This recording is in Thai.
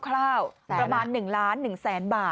ประมาณ๑ล้าน๑แสนบาท